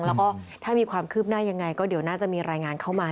แล้วก็ถ้ามีความคืบหน้ายังไงก็เดี๋ยวน่าจะมีรายงานเข้ามา